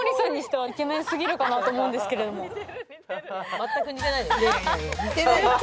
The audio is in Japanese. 全く似てないよ。